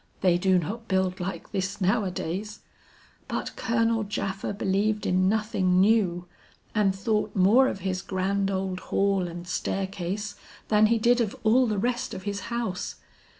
"They do not build like this nowadays. But Colonel Japha believed in nothing new, and thought more of his grand old hall and staircase, than he did of all the rest of his house.